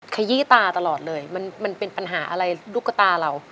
ขยี้ตาตลอดเลยมันเป็นปัญหาอะไรตุ๊กตาเรา